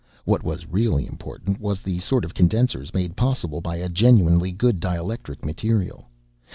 What was really important was the sort of condensers made possible by a genuinely good dielectric material.